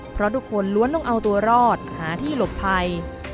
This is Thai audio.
เพราะทุกคนล้วนต้องเอาตัวรอดหาที่หลบภัย